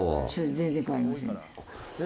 全然帰りません。